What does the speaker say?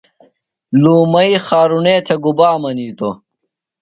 لومئی خارُݨے تھےۡ گُبا منِیتوۡ؟